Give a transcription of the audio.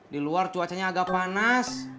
di luar cuacanya agak panas